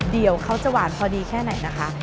เดี๋ยวเขาจะหวานพอดีแค่ไหนนะคะ